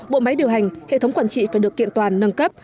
bộ máy điều hành hệ thống quản trị phải được kiện toàn nâng cấp